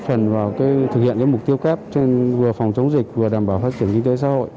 góp phần vào thực hiện mục tiêu kép vừa phòng chống dịch vừa đảm bảo phát triển kinh tế xã hội